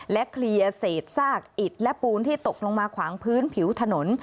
เคลียร์เศษซากอิดและปูนที่ตกลงมาขวางพื้นผิวถนน